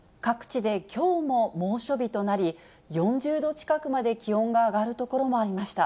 各地できょうも猛暑日となり、４０度近くまで気温が上がる所もありました。